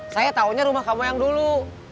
saya tahunya rumah kamu yang dulu